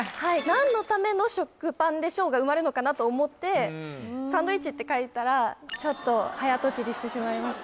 「何のための食パンでしょう？」が埋まるのかなと思ってサンドイッチって書いたらちょっと早とちりしてしまいました